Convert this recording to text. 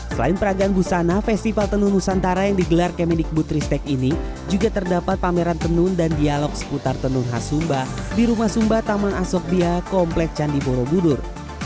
selain peragaan busana festival tenun nusantara yang digelar kemendikbud ristek ini juga terdapat pameran tenun dan dialog seputar tenun khas sumba di rumah sumba taman asok dia komplek candi borobudur